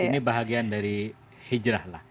ini bahagian dari hijrah lah